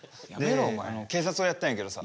で警察をやったんやけどさ。